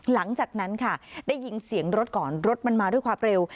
หลังจากนั้นค่ะได้ยินเสียงรถก่อนรถมันมาด้วยความเร็ว